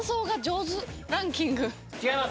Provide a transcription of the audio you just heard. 違います。